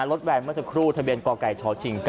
รถแบรนด์เมื่อสักครู่ทะเบียนกอกไก่ชอชิง๙๗๗๙